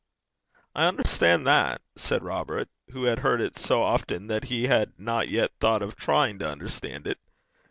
'I unnerstan' that,' said Robert, who had heard it so often that he had not yet thought of trying to understand it.